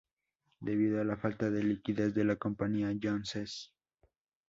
Debido a la falta de liquidez de la compañía, John Ces.